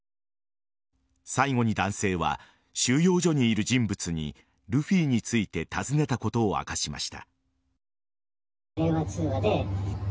最後に男性は収容所にいる人物にルフィについて尋ねたことを明かしました。